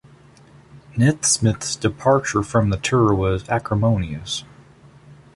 Nesmith's departure from the tour was acrimonious.